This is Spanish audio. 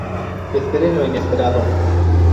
Esperen lo inesperado.